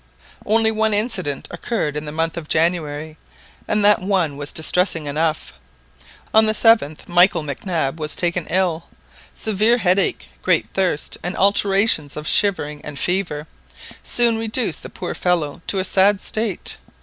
Only one incident occurred in the month of January, and that one was distressing enough. On the 7th, Michael Mac Nab was taken ill—severe headache, great thirst and alternations of shivering and fever, soon reduced the poor little fellow to a sad state.